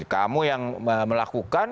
kamu yang melakukan